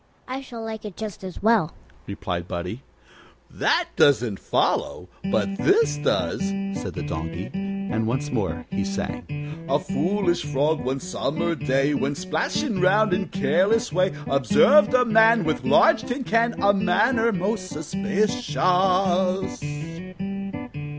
I shall like it just as well," replied Buddie. "That doesn't follow, but this does," said the Donkey, and once more he sang: "A foolish Frog, one summer day, While splashing round in careless way, Observed a man With large tin can, And manner most suspicious.